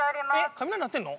雷鳴ってるの！？